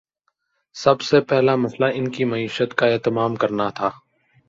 سب سے پہلا مسئلہ ان کی معیشت کا اہتمام کرنا تھا۔